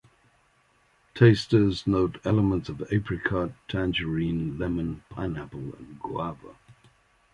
Tasters note elements of apricot, tangerine, lemon, pineapple and guava.